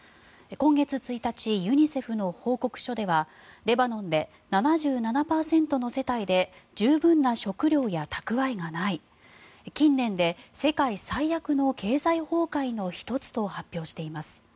今月１日、ユニセフの報告書ではレバノンで７７％の世帯で十分な食糧や蓄えがない近年で世界最悪の経済崩壊の１つと発表しています。